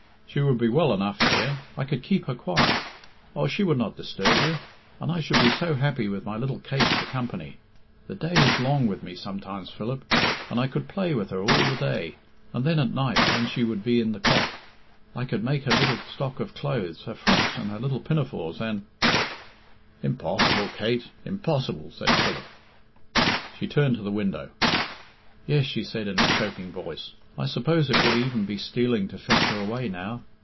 She would be well enough here. I could keep her quiet. Oh, she would not disturb you. And I should be so happy with my little Kate for company. The time is long with me sometimes, Philip, and I could play with her all the day. And then at night, when she would be in the cot, I could make her little stock of clothes her frocks and her little pinafores, and " "Impossible, Kate, impossible!" said Philip. She turned to the window. "Yes," she said, in a choking voice, "I suppose it would even be stealing to fetch her away now.